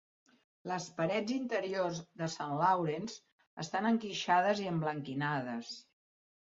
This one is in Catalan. Les parets interiors de St Lawrence estan enguixades i emblanquinades.